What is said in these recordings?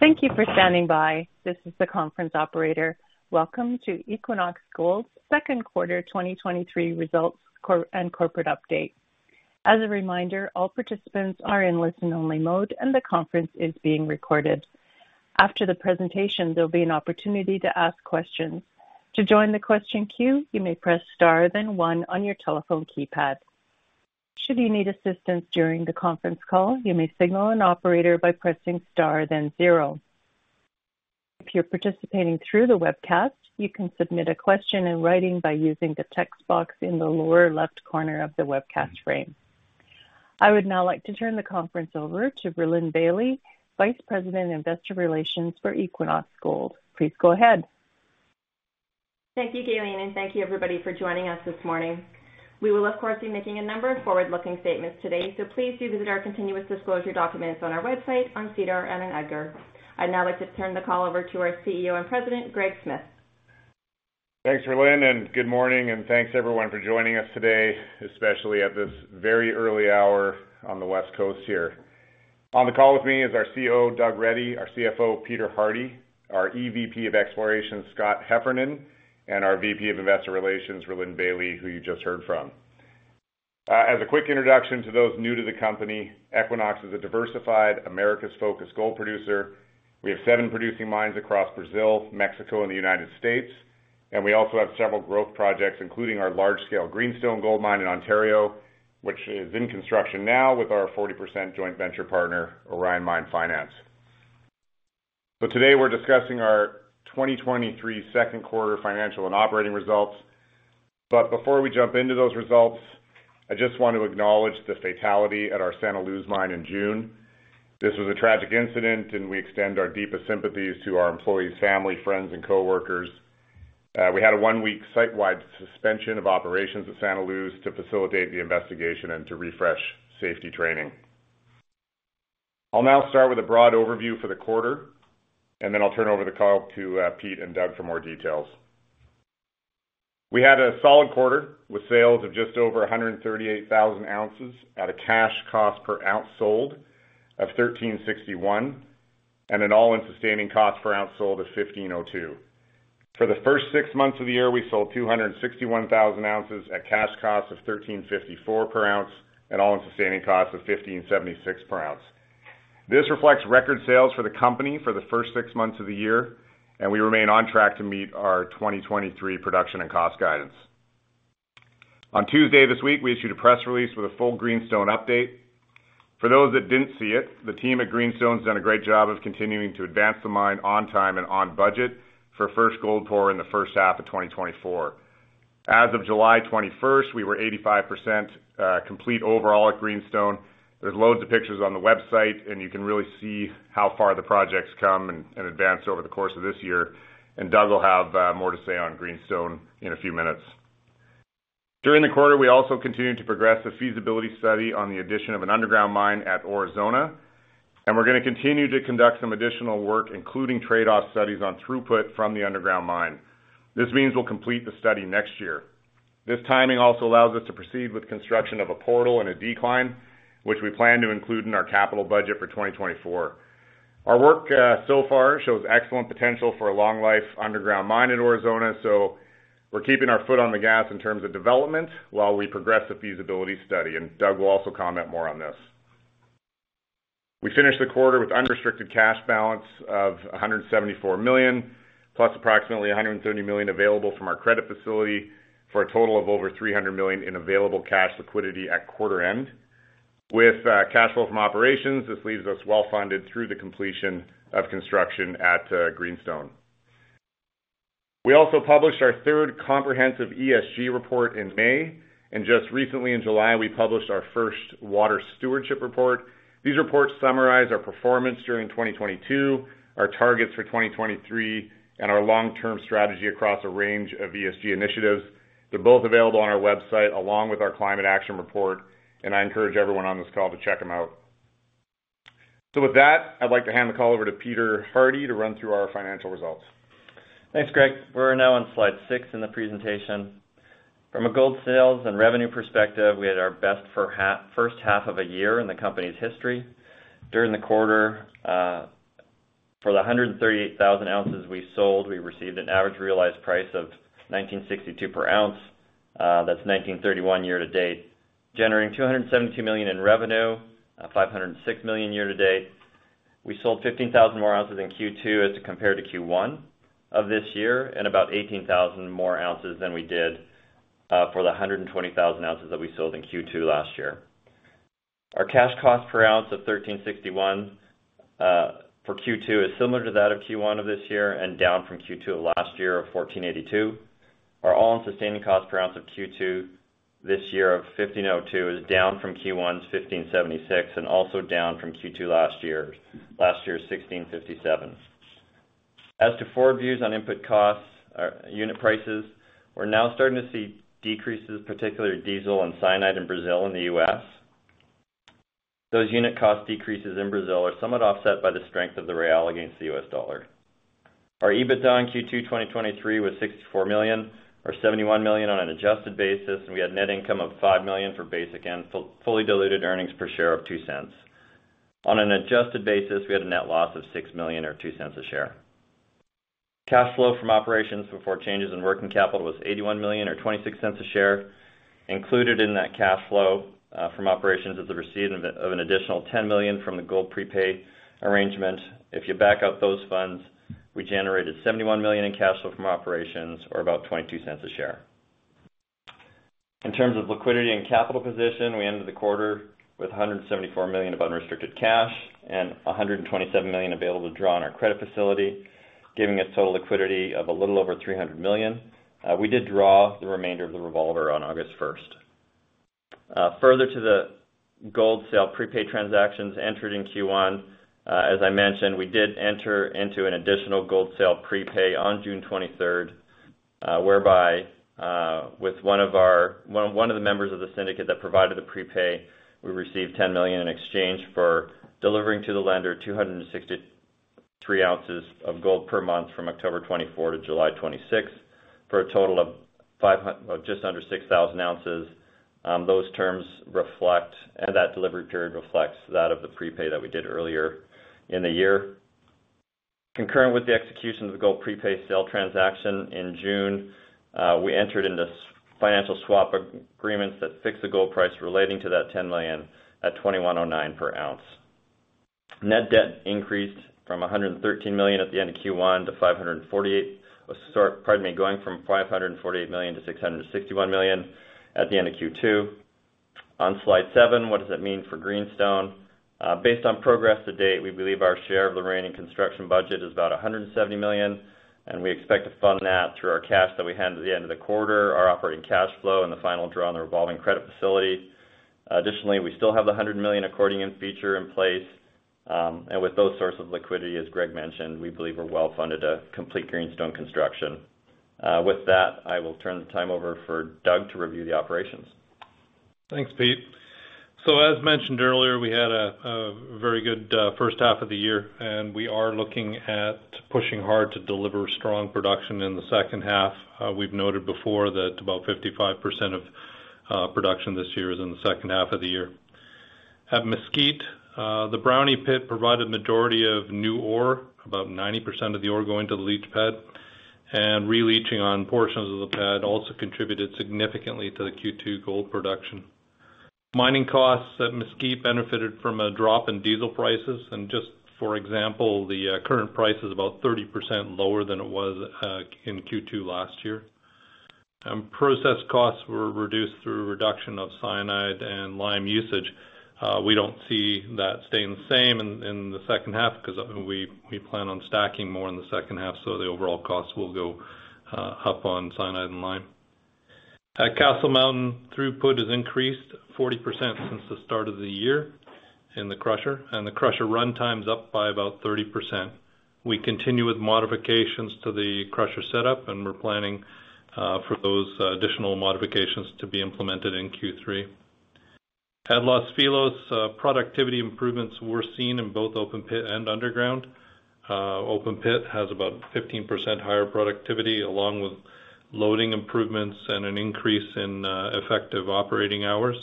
Thank you for standing by. This is the conference operator. Welcome to Equinox Gold's Q2 2023 results and corporate update. As a reminder, all participants are in listen-only mode, and the conference is being recorded. After the presentation, there'll be an opportunity to ask questions. To join the question queue, you may press Star, then one on your telephone keypad. Should you need assistance during the conference call, you may signal an operator by pressing Star, then zero. If you're participating through the webcast, you can submit a question in writing by using the text box in the lower left corner of the webcast frame. I would now like to turn the conference over to Rhylin Bailie, Vice President of Investor Relations for Equinox Gold. Please go ahead. Thank you, Galen, and thank you everybody for joining us this morning. We will, of course, be making a number of forward-looking statements today, so please do visit our continuous disclosure documents on our website, on SEDAR and in EDGAR. I'd now like to turn the call over to our CEO and President, Greg Smith. Thanks, Raelynn. Good morning, and thanks everyone for joining us today, especially at this very early hour on the West Coast here. On the call with me is our CEO, Doug Reddy, our CFO, Peter Hardie, our EVP of Exploration, Scott Heffernan, and our VP of Investor Relations, Rhylin Bailie, who you just heard from. As a quick introduction to those new to the company, Equinox is a diversified, Americas-focused gold producer. We have seven producing mines across Brazil, Mexico, and the United States, and we also have several growth projects, including our large-scale Greenstone gold mine in Ontario, which is in construction now with our 40% joint venture partner, Orion Mine Finance. Today we're discussing our 2023 Q2 financial and operating results. Before we jump into those results, I just want to acknowledge the fatality at our Santa Luz mine in June. This was a tragic incident, and we extend our deepest sympathies to our employee's family, friends, and coworkers. We had a 1-week site-wide suspension of operations at Santa Luz to facilitate the investigation and to refresh safety training. I'll now start with a broad overview for the quarter, and then I'll turn over the call to Pete and Doug Reddy for more details. We had a solid quarter with sales of just over 138,000 ounces at a cash cost per ounce sold of $1,361, and an all-in sustaining cost per ounce sold of $1,502. For the first six months of the, we sold 261,000 ounces at cash costs of $1,354 per ounce, and all-in sustaining costs of $1,576 per ounce. This reflects record sales for the company for the first 6 months of the year, and we remain on track to meet our 2023 production and cost guidance. On Tuesday, this week, we issued a press release with a full Greenstone update. For those that didn't see it, the team at Greenstone has done a great job of continuing to advance the mine on time and on budget for first gold pour in the first half of 2024. As of July 21st, we were 85% complete overall at Greenstone. There's loads of pictures on the website, and you can really see how far the project's come and advanced over the course of this year, and Doug will have more to say on Greenstone in a few minutes. During the quarter, we also continued to progress the feasibility study on the addition of an underground mine at Aurizona, and we're gonna continue to conduct some additional work, including trade-off studies on throughput from the underground mine. This means we'll complete the study next year. This timing also allows us to proceed with construction of a portal and a decline, which we plan to include in our capital budget for 2024. Our work so far, shows excellent potential for a long life underground mine in Aurizona, so we're keeping our foot on the gas in terms of development while we progress the feasibility study, and Doug will also comment more on this. We finished the quarter with unrestricted cash balance of $174 million, plus approximately $130 million available from our credit facility, for a total of over $300 million in available cash liquidity at quarter end. With cash flow from operations, this leaves us well-funded through the completion of construction at Greenstone. We also published our third comprehensive ESG report in May, and just recently in July, we published our first Water Stewardship Report. These reports summarize our performance during 2022, our targets for 2023, and our long-term strategy across a range of ESG initiatives. They're both available on our website, along with our Climate Action Report, and I encourage everyone on this call to check them out. With that, I'd like to hand the call over to Peter Hardie to run through our financial results. Thanks, Greg. We're now on slide 6 in the presentation. From a gold sales and revenue perspective, we had our best first half of a year in the company's history. During the quarter, for the 138,000 ounces we sold, we received an average realized price of $1,962 per ounce. That's $1,931 year to date, generating $272 million in revenue, $506 million year to date. We sold 15,000 more ounces in Q2 as compared to Q1 of this year, and about 18,000 more ounces than we did, for the 120,000 ounces that we sold in Q2 last year. Our cash cost per ounce of $1,361 for Q2, is similar to that of Q1 of this year, and down from Q2 of last year of $1,482. Our all-in sustaining cost per ounce of Q2 this year of $1,502 is down from Q1's $1,576 and also down from Q2 last year. Last year's $1,657. As to forward views on input costs, unit prices, we're now starting to see decreases, particularly diesel and cyanide in Brazil and the U.S. Those unit cost decreases in Brazil are somewhat offset by the strength of the real against the US dollar. Our EBITDA in Q2 2023 was $64 million, or $71 million on an adjusted basis. We had net income of $5 million for basic and fully diluted earnings per share of $0.02. On an adjusted basis, we had a net loss of $6 million or $0.02 a share. Cash flow from operations before changes in working capital was $81 million or $0.26 a share. Included in that cash flow from operations is the receipt of an additional $10 million from the gold prepay arrangement. If you back out those funds, we generated $71 million in cash flow from operations, or about $0.22 a share. In terms of liquidity and capital position, we ended the quarter with $174 million of unrestricted cash and $127 million available to draw on our credit facility, giving us total liquidity of a little over $300 million. We did draw the remainder of the revolver on August 1st, further to the gold sale prepay transactions entered in Q1. As I mentioned, we did enter into an additional gold sale prepay on June 23rd, whereby, with one of the members of the syndicate that provided the prepay, we received $10 million in exchange for delivering to the lender 263 ounces of gold per month from October 2024 to July 2026, for a total of just under 6,000 ounces. Those terms reflect, and that delivery period reflects that of the prepay that we did earlier in the year. Concurrent with the execution of the gold prepay sale transaction in June, we entered into financial swap agreements that fixed the gold price relating to that $10 million at $2,109 per ounce. Net debt increased from $113 million at the end of Q1 to $548 million. Going from $548 million to $661 million at the end of Q2. On slide 7, what does it mean for Greenstone? Based on progress to date, we believe our share of the remaining construction budget is about $170 million, and we expect to fund that through our cash that we had at the end of the quarter, our operating cash flow, and the final draw on the revolving credit facility. Additionally, we still have the $100 million accordion feature in place. With those sources of liquidity, as Greg mentioned, we believe we're well-funded to complete Greenstone construction. With that, I will turn the time over for Doug to review the operations. Thanks, Pete. As mentioned earlier, we had a very good first half of the year, and we are looking at pushing hard to deliver strong production in the second half. We've noted before that about 55% of production this year is in the second half of the year. At Mesquite, the Brownie Pit provided majority of new ore, about 90% of the ore going to the leach pad, and re-leaching on portions of the pad also contributed significantly to the Q2 gold production. Mining costs at Mesquite benefited from a drop in diesel prices, and just for example, the current price is about 30% lower than it was in Q2 last year. Process costs were reduced through reduction of cyanide and lime usage. We don't see that staying the same in, in the second half 'cause we, we plan on stacking more in the second half, so the overall cost will go up on cyanide and lime. At Castle Mountain, throughput has increased 40% since the start of the year in the crusher, and the crusher run time's up by about 30%. We continue with modifications to the crusher setup, and we're planning for those additional modifications to be implemented in Q3. At Los Filos, productivity improvements were seen in both open pit and underground. Open pit has about 15% higher productivity, along with loading improvements and an increase in effective operating hours.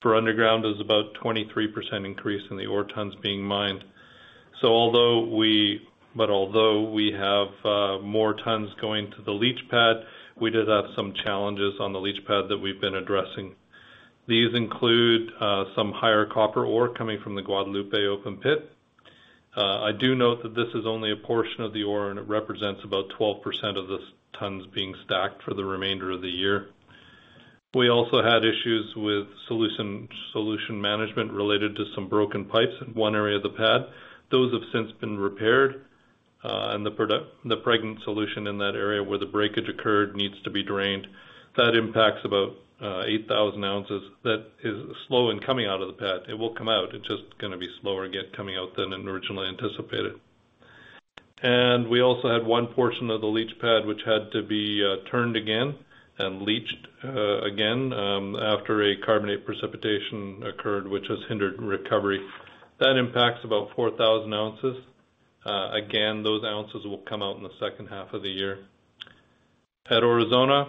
For underground, there's about 23% increase in the ore tons being mined. Although we... Although we have more tons going to the leach pad, we did have some challenges on the leach pad that we've been addressing. These include some higher copper ore coming from the Guadalupe open pit. I do note that this is only a portion of the ore, and it represents about 12% of the tons being stacked for the remainder of the year. We also had issues with solution, solution management related to some broken pipes in one area of the pad. Those have since been repaired, and the pregnant solution in that area where the breakage occurred needs to be drained. That impacts about 8,000 ounces. That is slow in coming out of the pad. It will come out, it's just gonna be slower coming out than originally anticipated. We also had one portion of the leach pad, which had to be turned again and leached again after a carbonate precipitation occurred, which has hindered recovery. That impacts about 4,000 ounces. Again, those ounces will come out in the second half of the year. At Aurizona,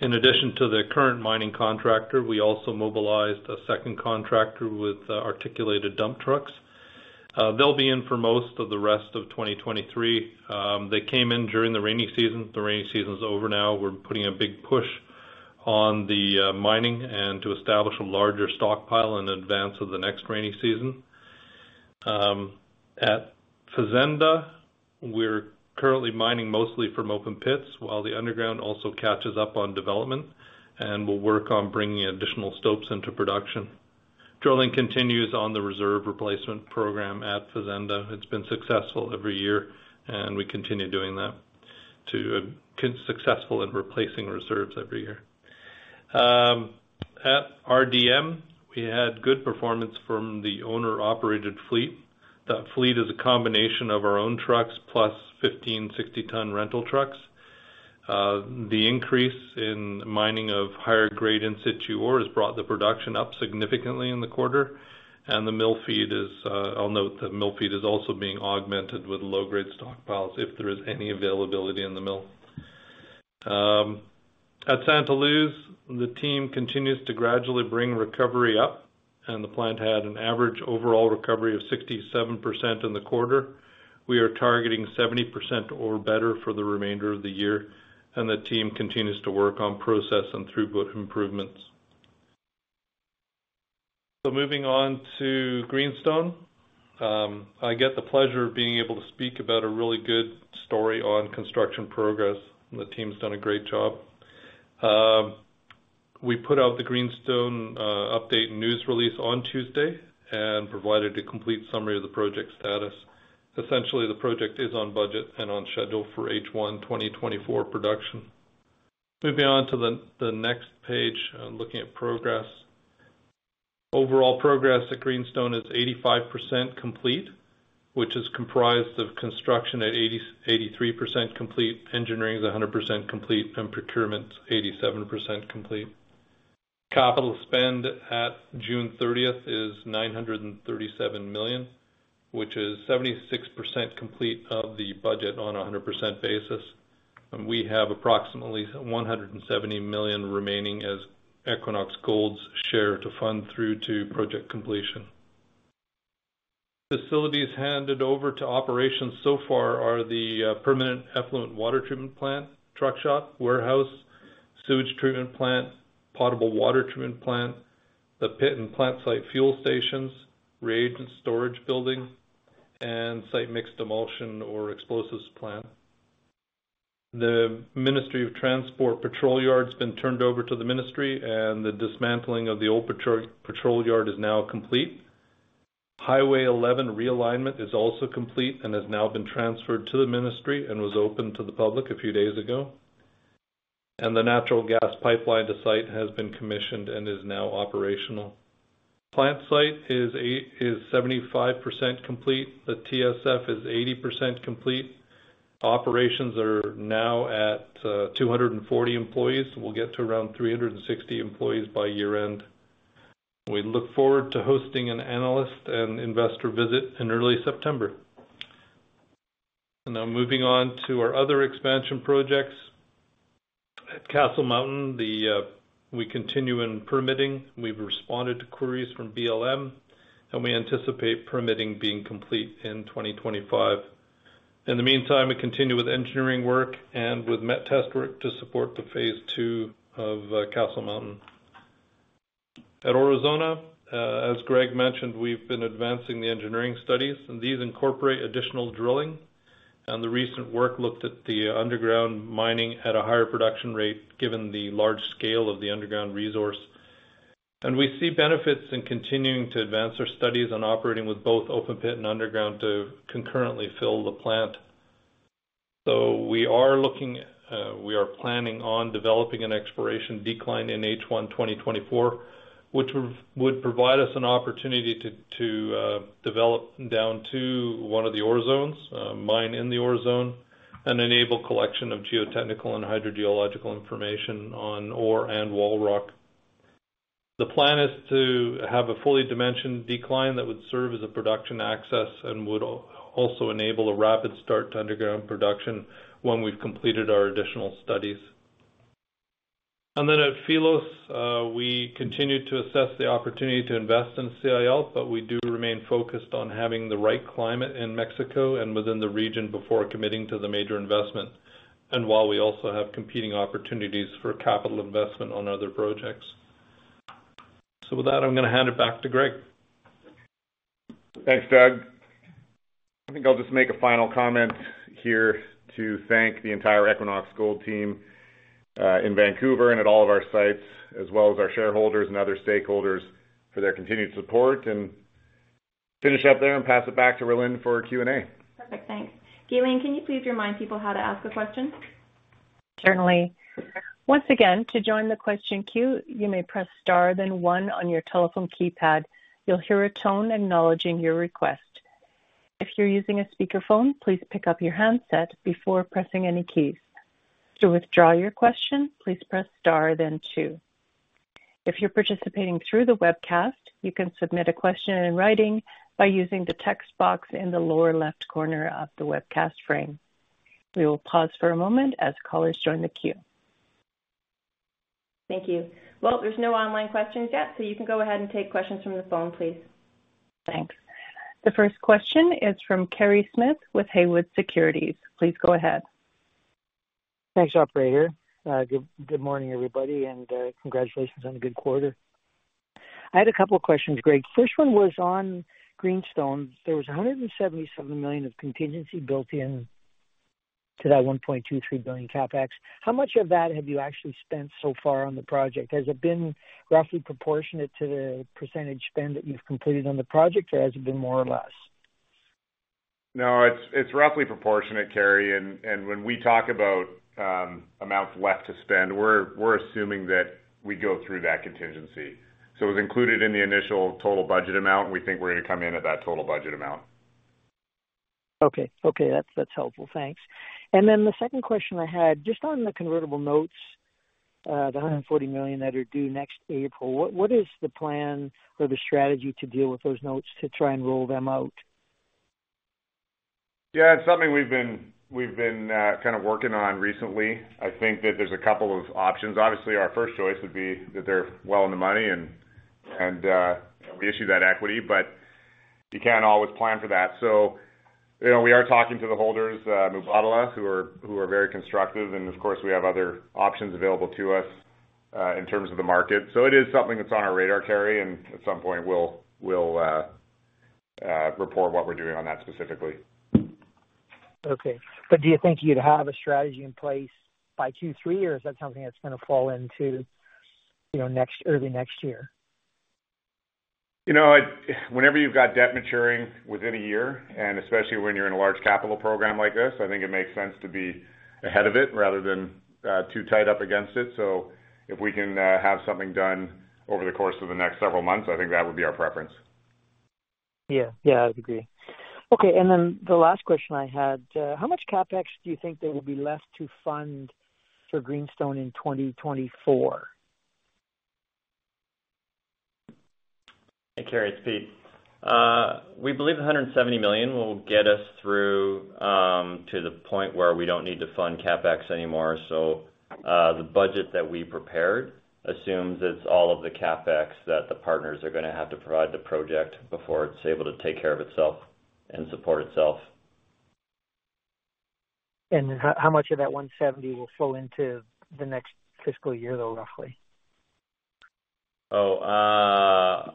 in addition to the current mining contractor, we also mobilized a second contractor with articulated dump trucks. They'll be in for most of the rest of 2023. They came in during the rainy season. The rainy season is over now. We're putting a big push on the mining and to establish a larger stockpile in advance of the next rainy season. At Fazenda, we're currently mining mostly from open pits, while the underground also catches up on development, and we'll work on bringing additional stopes into production. Drilling continues on the reserve replacement program at Fazenda. It's been successful every year, and we continue doing that successful in replacing reserves every year. At RDM, we had good performance from the owner-operated fleet. That fleet is a combination of our own trucks, plus 15 60-ton rental trucks. The increase in mining of higher grade in-situ ore has brought the production up significantly in the quarter, and the mill feed is, I'll note that mill feed is also being augmented with low-grade stockpiles if there is any availability in the mill. At Santa Luz, the team continues to gradually bring recovery up, and the plant had an average overall recovery of 67% in the quarter. We are targeting 70% or better for the remainder of the year, and the team continues to work on process and throughput improvements. Moving on to Greenstone. I get the pleasure of being able to speak about a really good story on construction progress, and the team's done a great job. We put out the Greenstone update news release on Tuesday and provided a complete summary of the project status. Essentially, the project is on budget and on schedule for H1 2024 production. Moving on to the next page, looking at progress. Overall progress at Greenstone is 85% complete, which is comprised of construction at 83% complete, engineering is 100% complete, and procurement is 87% complete. Capital spend at June 30th is $937 million, which is 76% complete of the budget on a 100% basis, and we have approximately $170 million remaining as Equinox Gold's share to fund through to project completion. Facilities handed over to operations so far are the permanent effluent water treatment plant, truck shop, warehouse, sewage treatment plant, potable water treatment plant, the pit and plant site fuel stations, reagent storage building, and site-mixed emulsion or explosives plant. The Ministry of Transport patrol yard's been turned over to the ministry, and the dismantling of the old patrol yard is now complete. Highway 11 realignment is also complete and has now been transferred to the ministry, and was opened to the public a few days ago. The natural gas pipeline to site has been commissioned and is now operational. Plant site is 75% complete. The TSF is 80% complete. Operations are now at 240 employees. We'll get to around 360 employees by year-end. We look forward to hosting an analyst and investor visit in early September. Now moving on to our other expansion projects. At Castle Mountain, the we continue in permitting. We've responded to queries from, and we anticipate permitting being complete in 2025. In the meantime, we continue with engineering work and with met test work to support the phase 2 of Castle Mountain. At Aurizona, as Greg mentioned, we've been advancing the engineering studies, and these incorporate additional drilling. The recent work looked at the underground mining at a higher production rate, given the large scale of the underground resource. We see benefits in continuing to advance our studies and operating with both open pit and underground to concurrently fill the plant. We are looking, we are planning on developing an exploration decline in H1 2024, which would provide us an opportunity to develop down to one of the ore zones, mine in the ore zone, and enable collection of geotechnical and hydrogeological information on ore and wall rock. The plan is to have a fully dimensioned decline that would serve as a production access and would also enable a rapid start to underground production when we've completed our additional studies. At Filos, we continue to assess the opportunity to invest in CIL, but we do remain focused on having the right climate in Mexico and within the region before committing to the major investment, and while we also have competing opportunities for capital investment on other projects. With that, I'm going to hand it back to Greg. Thanks, Doug. I think I'll just make a final comment here to thank the entire Equinox Gold team in Vancouver and at all of our sites, as well as our shareholders and other stakeholders for their continued support, and finish up there and pass it back to Rlyn for Q&A. Perfect. Thanks. Galen, can you please remind people how to ask a question? Certainly. Once again, to join the question queue, you may press Star, then One on your telephone keypad. You'll hear a tone acknowledging your request. If you're using a speakerphone, please pick up your handset before pressing any keys. To withdraw your question, please press Star, then Two. If you're participating through the webcast, you can submit a question in writing by using the text box in the lower left corner of the webcast frame. We will pause for a moment as callers join the queue. Thank you. Well, there's no online questions yet, so you can go ahead and take questions from the phone, please. Thanks. The first question is from Kerry Smith with Haywood Securities. Please go ahead. Thanks, operator. Good, good morning, everybody, and congratulations on a good quarter. I had a couple of questions, Greg. First one was on Greenstone. There was $177 million of contingency built in to that $1.23 billion CapEx. How much of that have you actually spent so far on the project? Has it been roughly proportionate to the % spend that you've completed on the project, or has it been more or less? No, it's, it's roughly proportionate, Kerry, and, and when we talk about amounts left to spend, we're, we're assuming that we go through that contingency. It was included in the initial total budget amount, and we think we're going to come in at that total budget amount. Okay, okay, that's, that's helpful. Thanks. Then the second question I had, just on the convertible notes, the $140 million that are due next April, what, what is the plan or the strategy to deal with those notes to try and roll them out? Yeah, it's something we've been, we've been, kind of working on recently. I think that there's a couple of options. Obviously, our first choice would be that they're well in the money and, and, we issue that equity, but you can't always plan for that. So, we are talking to the holders, Mubadala, who are, who are very constructive, and of course, we have other options available to us, in terms of the market. So it is something that's on our radar, Kerry, and at some point, we'll, we'll, report what we're doing on that specifically. Okay. Do you think you'd have a strategy in place by Q3, or is that something that's gonna fall into, early next year? I, whenever you've got debt maturing within a year, and especially when you're in a large capital program like this, I think it makes sense to be ahead of it rather than too tied up against it. If we can have something done over the course of the next several months, I think that would be our preference. Yeah. Yeah, I would agree. Okay, the last question I had, how much CapEx do you think there will be left to fund for Greenstone in 2024? Hey, Kerry, it's Pete. We believe $170 million will get us through to the point where we don't need to fund CapEx anymore. The budget that we prepared assumes it's all of the CapEx that the partners are gonna have to provide the project before it's able to take care of itself and support itself. How, how much of that $170 will flow into the next fiscal year, though, roughly? Oh,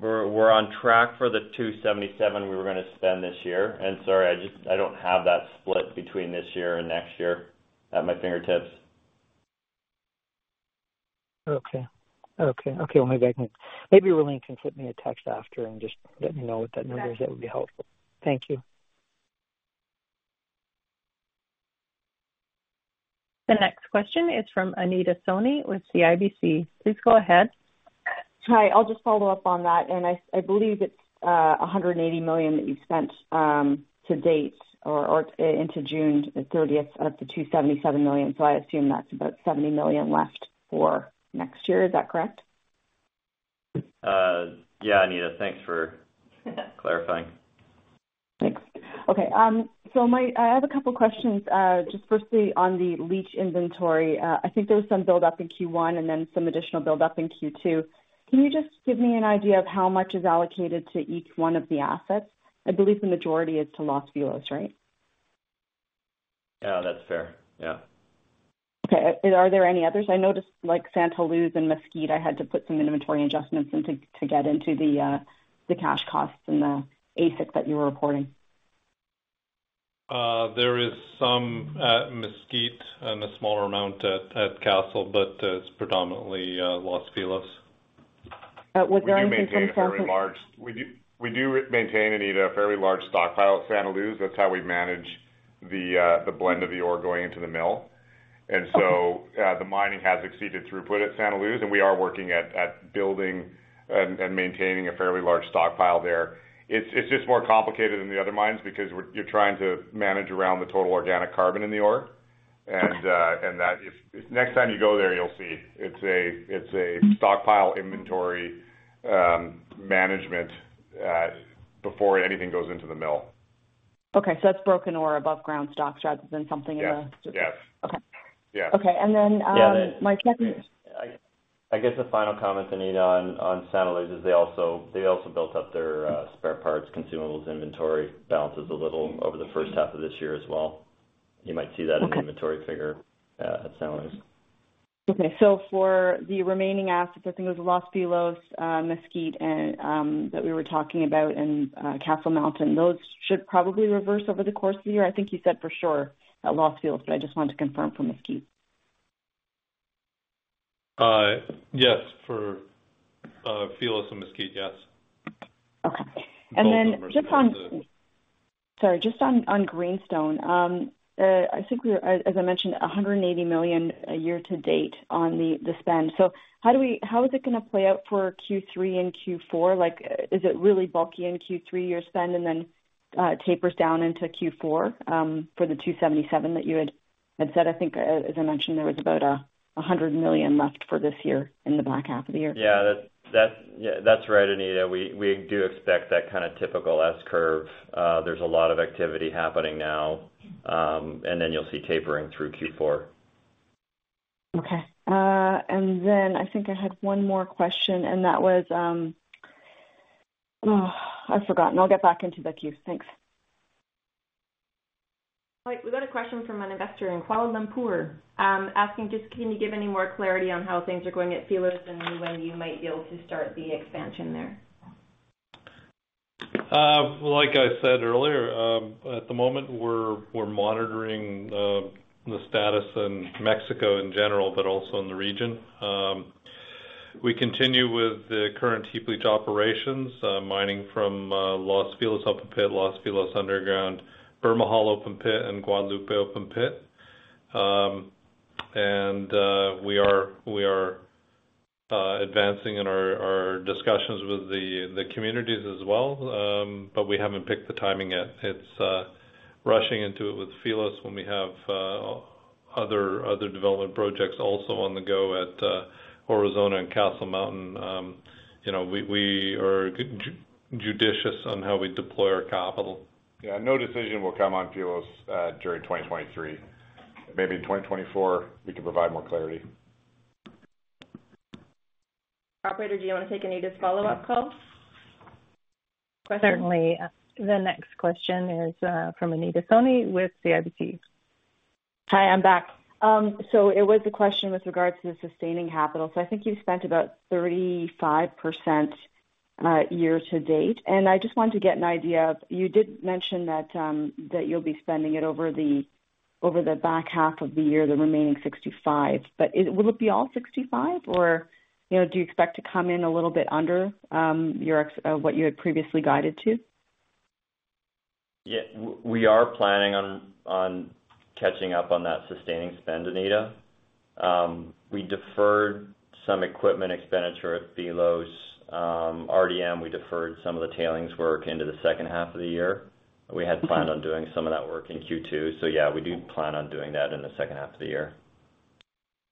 we're, we're on track for the $277 we were gonna spend this year. Sorry, I don't have that split between this year and next year at my fingertips. Okay. Okay, okay. Maybe Rhylin can slip me a text after and just let me know what that number is. Right. That would be helpful. Thank you. The next question is from Anita Soni with CIBC. Please go ahead. Hi, I'll just follow up on that. I, I believe it's $180 million that you spent to date or, or into June 30th, up to $277 million. I assume that's about $70 million left for next year. Is that correct? Yeah, Anita, thanks for clarifying. Thanks. Okay, I have 2 questions, just firstly on the leach inventory. I think there was some buildup in Q1 and then some additional buildup in Q2. Can you just give me an idea of how much is allocated to each 1 of the assets? I believe the majority is to Los Filos, right? Yeah, that's fair. Yeah. Okay. Are there any others? I noticed, like Santa Luz and Mesquite, I had to put some inventory adjustments in to, to get into the, the cash costs and the AISC that you were reporting. There is some at Mesquite and a smaller amount at, at Castle, but it's predominantly Los Filos. was there anything for- We do maintain, Anita, a fairly large stockpile at Santa Luz. That's how we manage the blend of the ore going into the mill. Okay. The mining has exceeded throughput at Santa Luz, and we are working at, at building and, and maintaining a fairly large stockpile there. It's, it's just more complicated than the other mines because you're trying to manage around the total organic carbon in the ore. Okay. That if next time you go there, you'll see. It's a, it's a stockpile inventory management before anything goes into the mill. Okay, that's broken or above ground stock rather than something in the- Yes, yes. Okay. Yeah. Okay, my second. I guess the final comment, Anita, on, on Santa Luz is they also, they also built up their spare parts, consumables, inventory balances a little over the first half of this year as well. You might see that... Okay In the inventory figure, at Santa Luz. Okay. For the remaining assets, I think it was Los Filos, Mesquite and, that we were talking about and Castle Mountain, those should probably reverse over the course of the year? I think you said for sure at Los Filos, but I just wanted to confirm for Mesquite. Yes, for Filos and Mesquite, yes. Okay. Both of them are. Then just on... Sorry, just on, on Greenstone. I think we were, as, as I mentioned, $180 million a year to date on the, the spend. How is it gonna play out for Q3 and Q4? Is it really bulky in Q3, your spend, and then tapers down into Q4 for the $277 million that you had had said? I think, as I mentioned, there was about $100 million left for this year, in the back half of the year. Yeah, that's right, Anita. We do expect that kind of typical S-curve. There's a lot of activity happening now, and then you'll see tapering through Q4. Okay. Then I think I had one more question, and that was, oh, I forgot, and I'll get back into the queue. Thanks. All right. We got a question from an investor in Kuala Lumpur, asking just, can you give any more clarity on how things are going at Filos and when you might be able to start the expansion there? Like I said earlier, at the moment, we're, we're monitoring the status in Mexico in general, but also in the region. We continue with the current heap leach operations, mining from Los Filos open pit, Los Filos underground, Bermejal open pit, and Guadalupe open pit. We are advancing in our discussions with the communities as well. We haven't picked the timing yet. It's rushing into it with Los Filos when we have other development projects also on the go at Aurizona and Castle Mountain. We are judicious on how we deploy our capital. Yeah, no decision will come on Los Filos during 2023. Maybe in 2024, we can provide more clarity. Operator, do you want to take Anita's follow-up call? Certainly. The next question is from Anita Soni with CIBC. Hi, I'm back. It was a question with regards to the sustaining capital. I think you've spent about 35% year to date. I just wanted to get an idea. You did mention that you'll be spending it over the back half of the year, the remaining 65. Will it be all 65, or, do you expect to come in a little bit under what you had previously guided to? Yeah, we are planning on, on catching up on that sustaining spend, Anita. We deferred some equipment expenditure at Los Filos. RDM, we deferred some of the tailings work into the second half of the year. We had planned on doing some of that work in Q2. Yeah, we do plan on doing that in the second half of the year.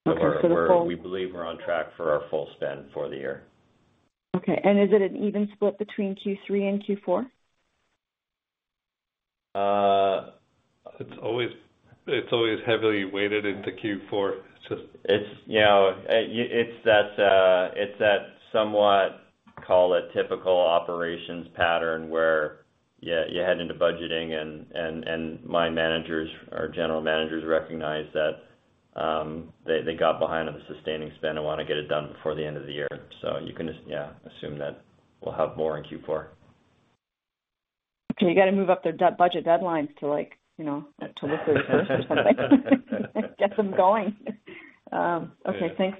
Okay, the full- We believe we're on track for our full spend for the year. Okay, is it an even split between Q3 and Q4? It's always, it's always heavily weighted into Q4. It's just- It's, that, it's that somewhat, call it typical operations pattern, where you head into budgeting and, and, and my managers or general managers recognize that, they, they got behind on the sustaining spend and want to get it done before the end of the year. You can just, yeah, assume that we'll have more in Q4. Okay, you got to move up their dead- budget deadlines to, like, to look through or something. Get them going. Okay, thanks.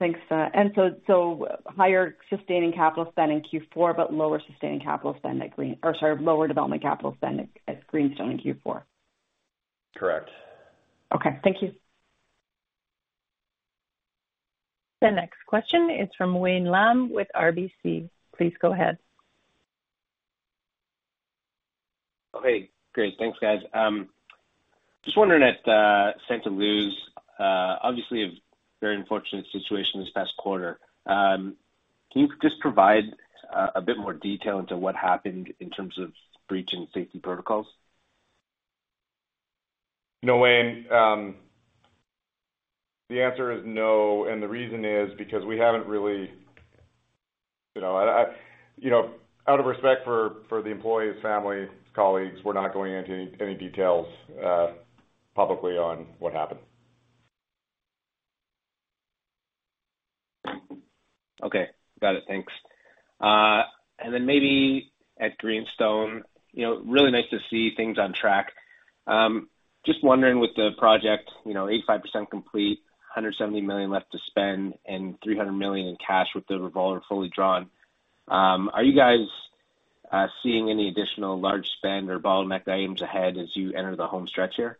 Thanks,... So, so higher sustaining capital spend in Q4, but lower sustaining capital spend at Green-- or sorry, lower development capital spend at Greenstone in Q4. Correct. Okay, thank you. The next question is from Wayne Lam with RBC. Please go ahead. Oh, hey, great. Thanks, guys. Just wondering at Santa Luz, obviously, a very unfortunate situation this past quarter. Can you just provide a bit more detail into what happened in terms of breaching safety protocols? No, Wayne, the answer is no, and the reason is because we haven't really, you know out of respect for, for the employee's family, colleagues, we're not going into any, any details, publicly on what happened. Okay. Got it. Thanks. Then maybe at Greenstone, really nice to see things on track. Just wondering, with the project, 85% complete, $170 million left to spend, and $300 million in cash with the revolver fully drawn, are you guys seeing any additional large spend or bottleneck items ahead as you enter the home stretch here?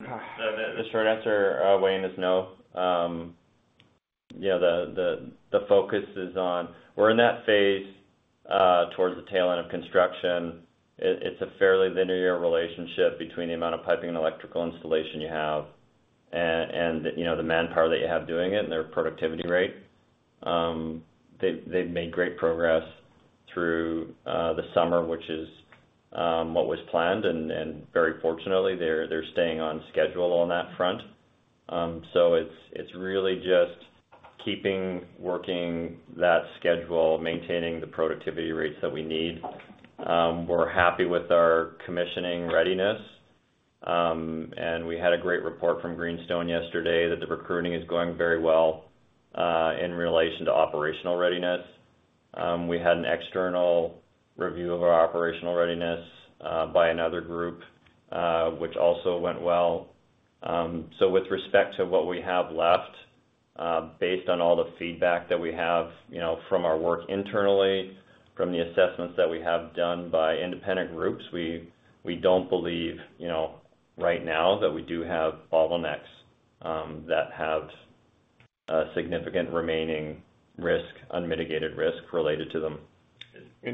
The, the short answer, Wayne, is no. The focus is on-- we're in that phase towards the tail end of construction. It, it's a fairly linear relationship between the amount of piping and electrical installation you have and, and, the manpower that you have doing it and their productivity rate. They've, they've made great progress through the summer, which is what was planned, and, and very fortunately, they're, they're staying on schedule on that front. It's, it's really just keeping working that schedule, maintaining the productivity rates that we need. We're happy with our commissioning readiness. We had a great report from Greenstone yesterday that the recruiting is going very well in relation to operational readiness. We had an external review of our operational readiness by another group, which also went well. With respect to what we have left, based on all the feedback that we have, from our work internally, from the assessments that we have done by independent groups, we, we don't believe, right now that we do have bottlenecks that have a significant remaining risk, unmitigated risk related to them.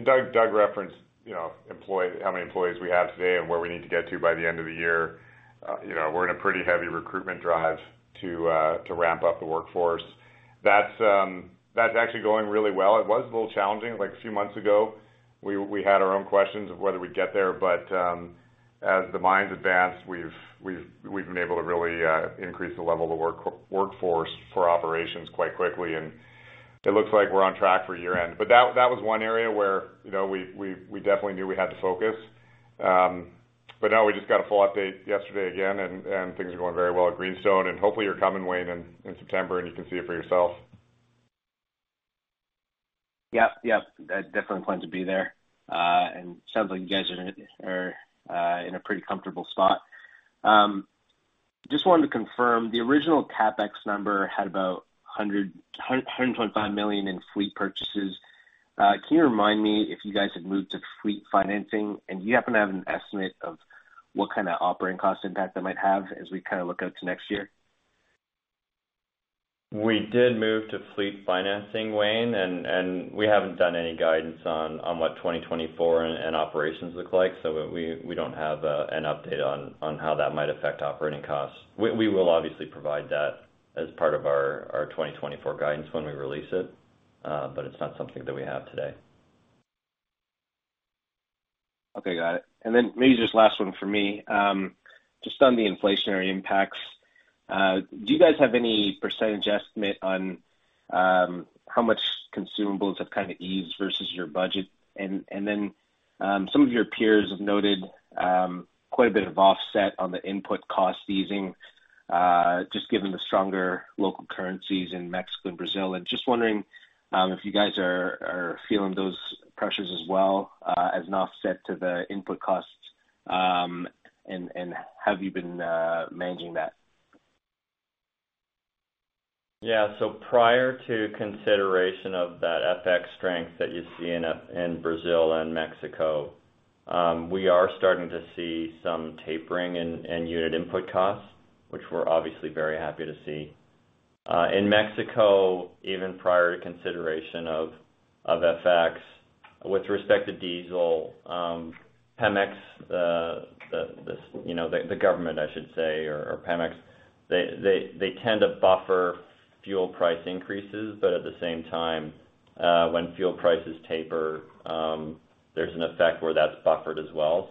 Doug, Doug referenced, employ-- how many employees we have today and where we need to get to by the end of the year. We're in a pretty heavy recruitment drive to ramp up the workforce. That's, that's actually going really well. It was a little challenging, like, a few months ago. We, we had our own questions of whether we'd get there, but as the mines advance, we've, we've, we've been able to really increase the level of work- workforce for operations quite quickly, and it looks like we're on track for year-end. That, that was one area where, we definitely knew we had to focus. Now we just got a full update yesterday again, and things are going very well at Greenstone, hopefully, you're coming, Wayne, in September, and you can see it for yourself. Yep. Yep. I definitely plan to be there, and sounds like you guys are in a pretty comfortable spot. Just wanted to confirm, the original CapEx number had about $125 million in fleet purchases. Can you remind me if you guys have moved to fleet financing? Do you happen to have an estimate of what kind of operating cost impact that might have as we kind of look out to next year? We did move to fleet financing, Wayne, and we haven't done any guidance on what 2024 and operations look like. We don't have an update on how that might affect operating costs. We will obviously provide that as part of our 2024 guidance when we release it, it's not something that we have today. Okay, got it. Maybe just last one from me. Just on the inflationary impacts, do you guys have any percentage estimate on how much consumables have kind of eased versus your budget? Some of your peers have noted quite a bit of offset on the input cost easing, just given the stronger local currencies in Mexico and Brazil. Just wondering if you guys are feeling those pressures as well, as an offset to the input costs? How have you been managing that? Yeah. Prior to consideration of that FX strength that you see in Brazil and Mexico, we are starting to see some tapering in unit input costs, which we're obviously very happy to see. In Mexico, even prior to consideration of FX, with respect to diesel, Pemex, the government, I should say, or, or Pemex, they, they, they tend to buffer fuel price increases, but at the same time, when fuel prices taper, there's an effect where that's buffered as well.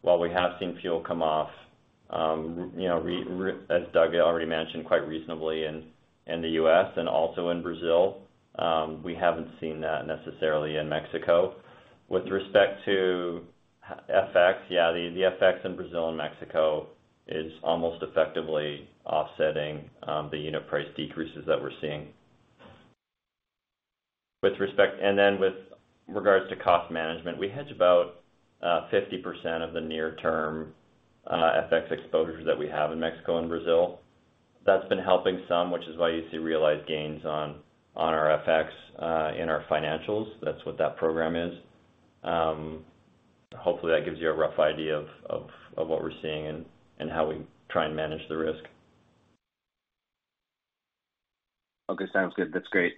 While we have seen fuel come off, as Doug already mentioned, quite reasonably in the U.S. and also in Brazil, we haven't seen that necessarily in Mexico. With respect to H- FX, yeah, the, the FX in Brazil and Mexico is almost effectively offsetting the unit price decreases that we're seeing. With respect-- With regards to cost management, we hedge about 50% of the near term FX exposures that we have in Mexico and Brazil. That's been helping some, which is why you see realized gains on, on our FX in our financials. That's what that program is. Hopefully, that gives you a rough idea of, of, of what we're seeing and, and how we try and manage the risk. Okay. Sounds good. That's great.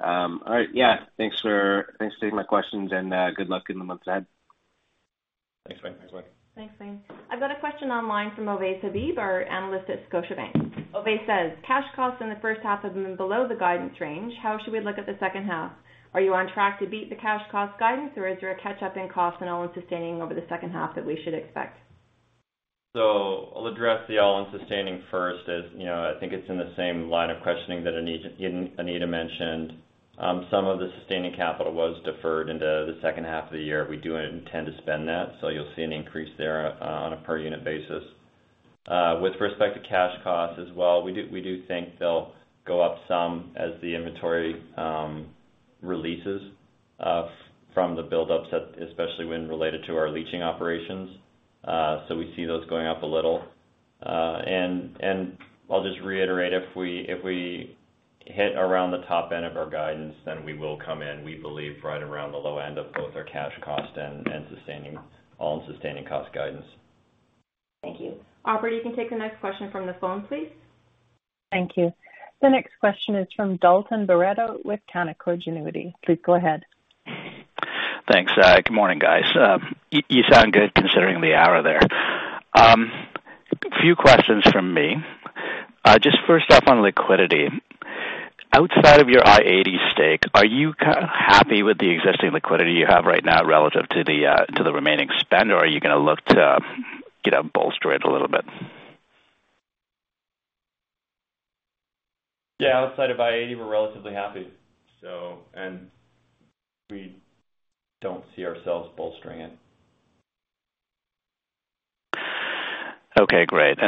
All right. Yeah, thanks for taking my questions, and good luck in the months ahead. Thanks, Wayne. Thanks, Wayne. I've got a question online from Ovais Habib, our analyst at Scotiabank. Ovais says, "Cash costs in the first half have been below the guidance range. How should we look at the second half? Are you on track to beat the cash cost guidance, or is there a catch-up in costs and all-in sustaining over the second half that we should expect? I'll address the all-in sustaining first, as, I think it's in the same line of questioning that Anita mentioned. Some of the sustaining capital was deferred into the second half of the year. We do intend to spend that, so you'll see an increase there on a per unit basis. With respect to cash costs as well, we do, we do think they'll go up some as the inventory releases from the buildups, that especially when related to our leaching operations. We see those going up a little. I'll just reiterate, if we, if we hit around the top end of our guidance, then we will come in, we believe, right around the low end of both our cash cost and sustaining, all-in sustaining cost guidance. Thank you. Operator, you can take the next question from the phone, please. Thank you. The next question is from Dalton Baretto with Canaccord Genuity. Please go ahead. Thanks. Good morning, guys. You sound good considering the hour there. A few questions from me. Just first off, on liquidity. Outside of your i-80 Gold's stake, are you kind of happy with the existing liquidity you have right now relative to the remaining spend, or are you gonna look to get out bolstered a little bit? Yeah, outside of i-80, we're relatively happy. We don't see ourselves bolstering it. Okay, great.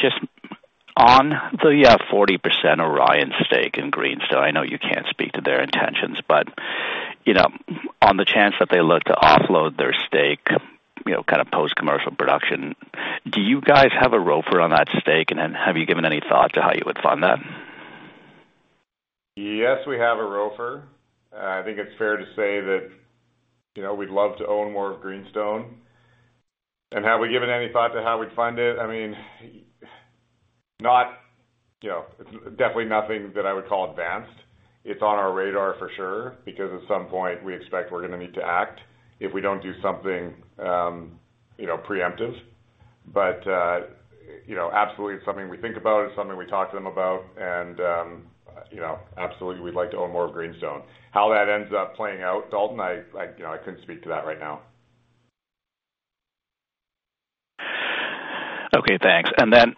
Just on the 40% Orion stake in Greenstone, I know you can't speak to their intentions, but, on the chance that they look to offload their stake, kind of post commercial production, do you guys have a ROFR on that stake? Then have you given any thought to how you would fund that? Yes, we have a ROFR. I think it's fair to say that, we'd love to own more of Greenstone. Have we given any thought to how we'd fund it? I mean, not, it's definitely nothing that I would call advanced. It's on our radar for sure, because at some point, we expect we're gonna need to act if we don't do something, preemptive. Absolutely it's something we think about, it's something we talk to them about, and, absolutely, we'd like to own more of Greenstone. How that ends up playing out, Dalton, I couldn't speak to that right now. Okay, thanks. Then,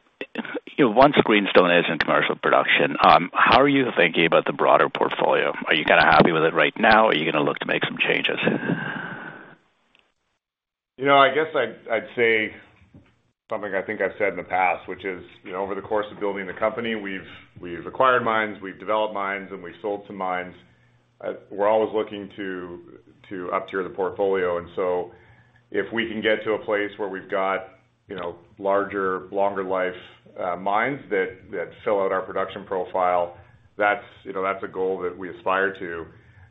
once Greenstone is in commercial production, how are you thinking about the broader portfolio? Are you kind of happy with it right now, or are you gonna look to make some changes? I guess I'd, I'd say something I think I've said in the past, which is, over the course of building the company, we've, we've acquired mines, we've developed mines, and we've sold some mines. We're always looking to uptier the portfolio. If we can get to a place where we've got, larger, longer life, mines that fill out our production profile, that's, that's a goal that we aspire to.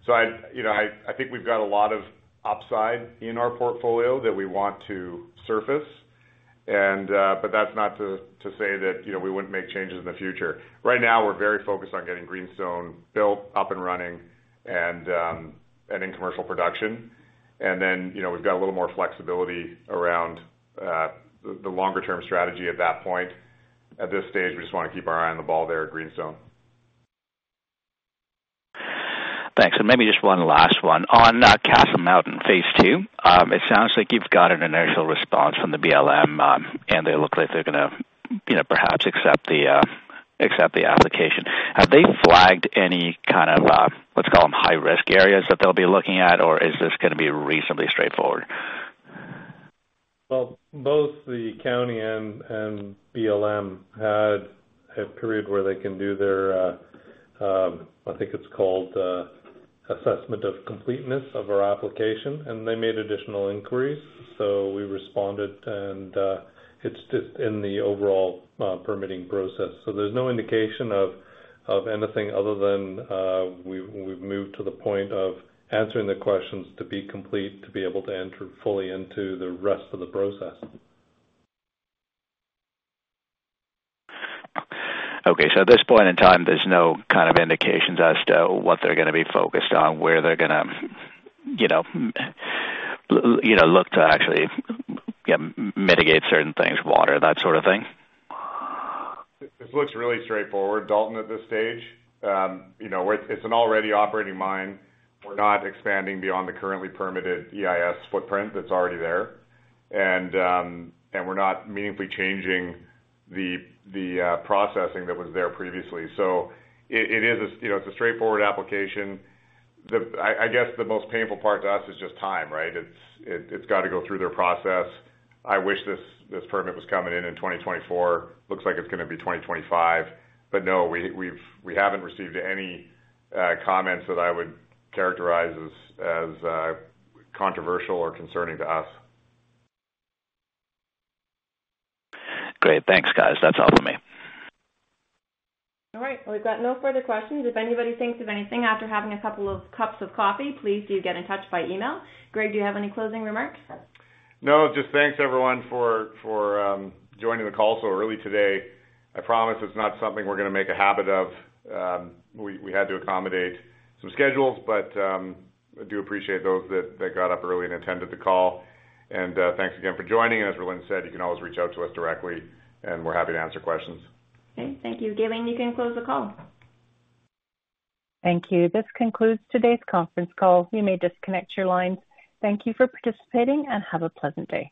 I, I think we've got a lot of upside in our portfolio that we want to surface. That's not to say that, we wouldn't make changes in the future. Right now, we're very focused on getting Greenstone built, up and running, and in commercial production. Then, we've got a little more flexibility around the, the longer-term strategy at that point. At this stage, we just wanna keep our eye on the ball there at Greenstone. Thanks. Maybe just one last one. On, Castle Mountain Phase 2, it sounds like you've got an initial response from the BLM, and they look like they're gonna, perhaps accept the, application. Have they flagged any kind of, let's call them, high-risk areas that they'll be looking at, or is this gonna be reasonably straightforward? Well, both the county and BLM had a period where they can do their, I think it's called, assessment of completeness of our application. They made additional inquiries. We responded, and it's just in the overall permitting process. There's no indication of anything other than we've moved to the point of answering the questions to be complete, to be able to enter fully into the rest of the process. Okay, at this point in time, there's no kind of indications as to what they're gonna be focused on, where they're gonna, look to actually, yeah, mitigate certain things, water, that sort of thing? This looks really straightforward, Dalton, at this stage. It's, it's an already operating mine. We're not expanding beyond the currently permitted EIS footprint that's already there. We're not meaningfully changing the, the, processing that was there previously. It's a straightforward application. I, I guess, the most painful part to us is just time, right? It's, it, it's got to go through their process. I wish this, this permit was coming in in 2024. Looks like it's gonna be 2025. No, we haven't received any, comments that I would characterize as, as, controversial or concerning to us. Great. Thanks, guys. That's all for me. Right. Well, we've got no further questions. If anybody thinks of anything after having a couple of cups of coffee, please do get in touch by email. Greg, do you have any closing remarks? No, just thanks everyone for, for joining the call so early today. I promise it's not something we're gonna make a habit of. We, we had to accommodate some schedules, but I do appreciate those that, that got up early and attended the call. Thanks again for joining, and as Rhylin said, you can always reach out to us directly, and we're happy to answer questions. Okay, thank you. Gailin, you can close the call. Thank you. This concludes today's conference call. You may disconnect your lines. Thank you for participating, and have a pleasant day.